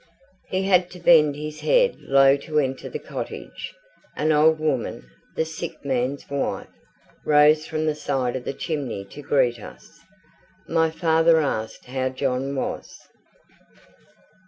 He had to bend his head low to enter the cottage. An old woman, the sick man's wife, rose from the side of the chimney to greet us. My father asked how John was.